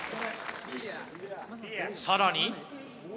さらに？